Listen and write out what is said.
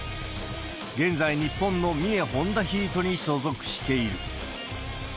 現在、日本の三重ホンダヒートに所属している。